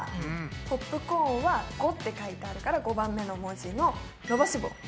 ポップコーンは⑤って書いてあるから５番目の文字の伸ばし棒。